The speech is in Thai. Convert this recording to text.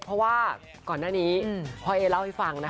เพราะว่าก่อนหน้านี้พ่อเอเล่าให้ฟังนะคะ